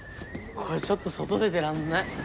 これちょっと外出てらんない。